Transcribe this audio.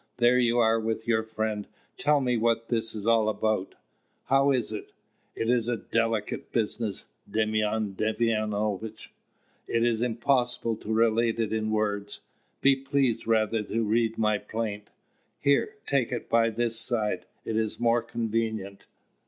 There you are with your friend! Tell me what this is about. How is it?" "It is a delicate business, Demyan Demyanovitch; it is impossible to relate it in words: be pleased rather to read my plaint. Here, take it by this side; it is more convenient."